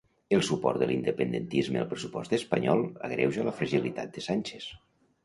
El suport de l'independentisme al pressupost espanyol agreuja la fragilitat de Sánchez.